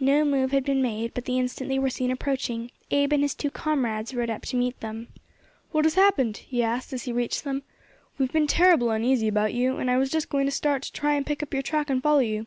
No move had been made, but the instant they were seen approaching, Abe and his two comrades rode up to meet them. "What has happened?" he asked, as he reached them. "We have been terrible uneasy about you, and I was just going to start to try and pick up your track and follow you."